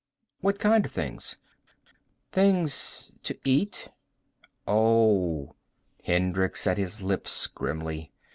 "What kind of things?" "Things to eat." "Oh." Hendricks set his lips grimly.